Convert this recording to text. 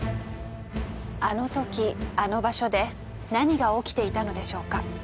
あの時あの場所で何が起きていたのでしょうか？